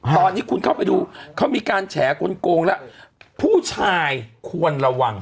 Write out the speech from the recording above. ตอนนี้คุณเข้าไปดูเขามีการแฉกลงแล้วผู้ชายควรระวัง